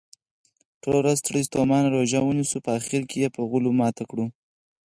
ټوله ورځ ستړي ستوماته روژه ونیسو په اخرکې یې په غولو ماته کړو.